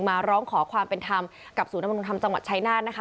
มาร้องขอความเป็นธรรมกับศูนยำรงธรรมจังหวัดชายนาฏนะคะ